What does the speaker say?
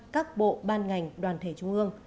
các bộ ban ngành đoàn thể trung ương